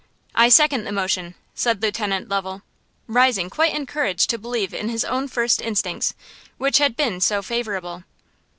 "I second the motion!" said Lieutenant Lovel, rising quite encouraged to believe in his own first instincts, which had been so favorable.